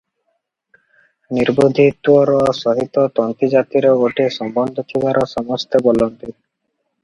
ନିର୍ବୁଦ୍ଧିତ୍ୱର ସହିତ ତନ୍ତୀଜାତିର ଗୋଟାଏ ସମ୍ବନ୍ଧ ଥିବାର ସମସ୍ତେ ବୋଲନ୍ତି ।